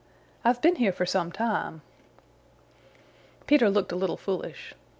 "I've been here for some time." Peter looked a little foolish.